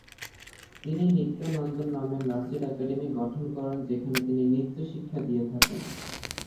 তিনি নৃত্য নন্দন নামে নাচের একাডেমি গঠন করেন যেখানে তিনি নৃত্য শিক্ষা দিয়ে থাকেন।